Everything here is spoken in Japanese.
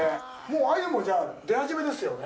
アユも、じゃあ出始めですよね。